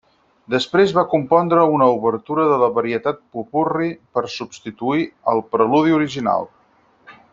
Després va compondre una obertura de la varietat popurri per a substituir al preludi original.